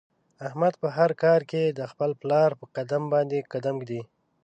احمد په هر کار کې د خپل پلار په قدم باندې قدم ږدي.